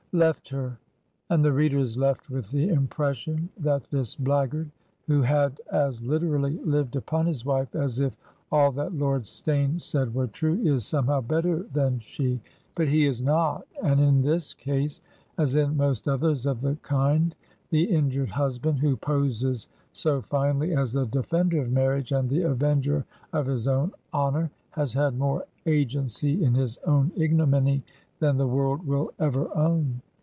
Left her; and the reader is left with the impression that this blackguard, who had as hterally Uved upon his wife as if all that Lord Steyne said were true, is somehow better than she. But he is not; and in this case as in most others of the kind the injured husband, who poses so finely as the defender of marriage and the avenger of his own honor, has had more agency in his own ignominy than the world will ever own.